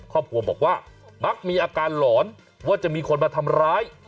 ครอบครัวบอกว่ามักมีอาการหลอนว่าจะมีคนมาทำร้าย